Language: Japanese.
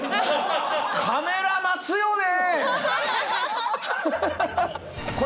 カメラ待つよね！